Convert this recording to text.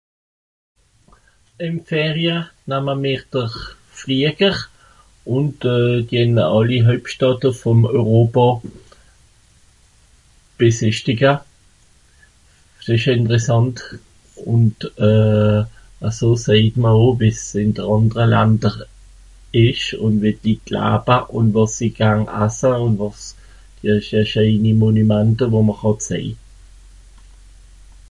Ìn d'Ferie, namma mìr dr Fliager, ùnd euh... gehn àlli Hoeiptstàdt vùm Europà besìchtiga. S'ìsch ìnteressànt ùnd euh... aso sèiht ma oo wie es ìn de àndere Lander ìsch ùn wie d'Litt laba ùn wàs sie garn assa ùn wàs... schèini Monümante, wo mr hàlt sèiht